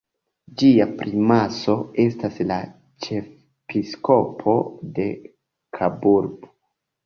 Ĝia primaso estas la ĉefepiskopo de Kaburbo.